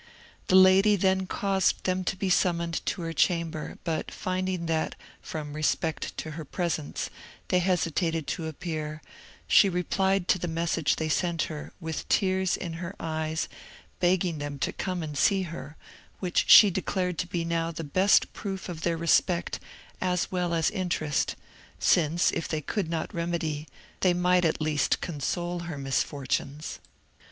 The lady then caused them to be summoned to her chamber; but finding that, from respect to her presence, they hesitated to appear, she replied to the message they sent her, with tears in her eyes, begging them to come and see her, which she declared to be now the best proof of their respect as well as interest; since, if they could not remedy, they might at least console her misfortunes.